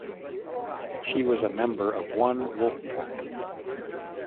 She was a member of one wolfpack.